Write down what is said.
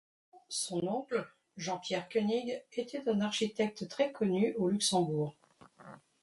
Son oncle, Jean-Pierre Koenig, était un architecte très connu au Luxembourg.